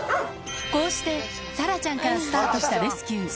こうしてサラちゃんからスタートしたレスキュー。